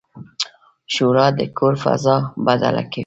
ښوروا د کور فضا بدله کوي.